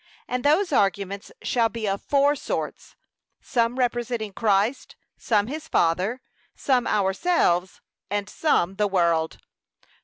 And those arguments shall be of four sorts, some respecting Christ, some his Father, some ourselves, and some the world.